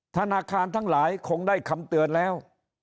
ธนาคารทั้งหลายคงได้คำเตือนแล้ว